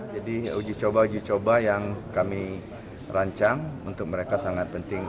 jadi uji coba uji coba yang kami rancang untuk mereka sangat penting